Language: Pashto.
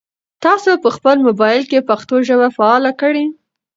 تاسو په خپل موبایل کې پښتو ژبه فعاله کړئ.